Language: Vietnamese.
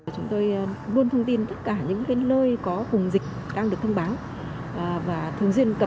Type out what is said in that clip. chúng tôi luôn thông tin tất cả những nơi có hùng dịch đang được thông báo